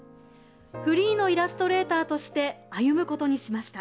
フリーのイラストレーターとして歩むことにしました。